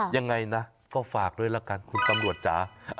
ยังไงนะก็ฝากด้วยละกันคุณตำรวจจ๋า